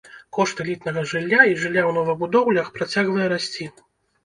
Кошт элітнага жылля і жылля ў новабудоўлях працягвае расці.